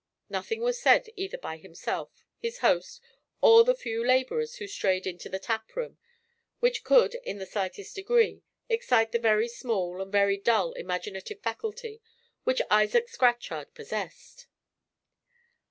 Nothing was said either by himself, his host, or the few laborers who strayed into the tap room, which could, in the slightest degree, excite the very small and very dull imaginative faculty which Isaac Scatchard possessed.